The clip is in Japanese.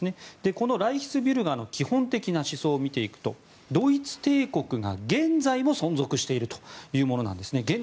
このライヒスビュルガーの基本的な思想を見ていくとドイツ帝国が現在も存続しているというものなんです。